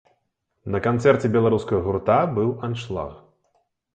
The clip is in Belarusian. На канцэрце беларускага гурта быў аншлаг.